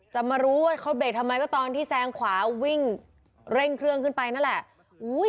จะมารู้ว่าเขาเบรกทำไมก็ตอนที่แซงขวาวิ่งเร่งเครื่องขึ้นไปนั่นแหละ